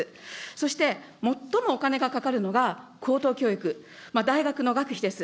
そして、もっともお金がかかるのが高等教育、大学の学費です。